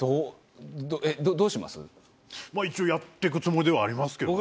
まあ一応やっていくつもりではありますけどね。